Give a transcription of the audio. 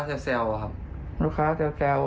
จะขัดแย้งกับร้านไหนหรือเปล่า